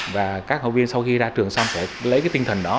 và các học viên sau khi ra trường xong phải lấy tinh thần đó